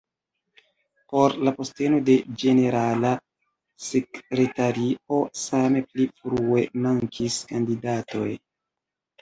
Por la posteno de ĝenerala sekretario same pli frue mankis kandidatoj.